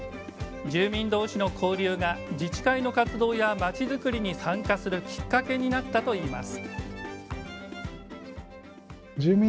住民同士の交流が自治会の活動やまちづくりに参加するきっかけになったといいます。